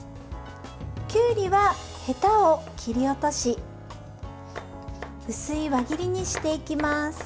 きゅうりは、へたを切り落とし薄い輪切りにしていきます。